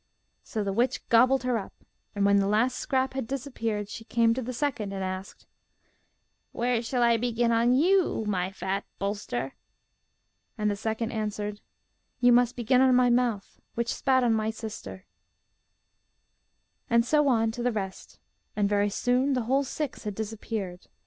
So the witch gobbled her up, and when the last scrap had disappeared, she came to the second and asked: 'Where shall I begin on you, my fat bolster?' And the second answered, 'You must begin on my mouth, which spat on my sister.' And so on to the rest; and very soon the whole six had disappeared.